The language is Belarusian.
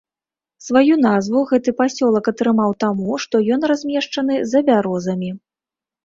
Сваю назву гэты пасёлак атрымаў таму, што ён размешчаны за бярозамі.